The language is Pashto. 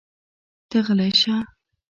ته غلی شه!